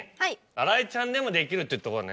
新井ちゃんでもできるってとこを。